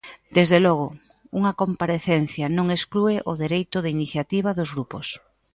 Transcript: Desde logo, unha comparecencia non exclúe o dereito de iniciativa dos grupos.